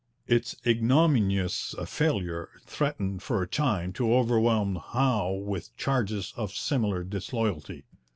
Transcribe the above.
Its ignominious failure threatened for a time to overwhelm Howe with charges of similar disloyalty.